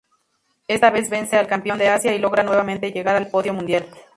Esta vez vence al campeón de Asia y logra nuevamente llegar al podio mundial.